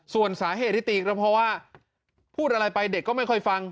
ส่วนสาเหตุที่ตีก็เพราะว่าพูดอะไรไปเด็กก็ไม่ค่อยฟัง